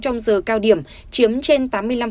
trong giờ cao điểm chiếm trên tám mươi năm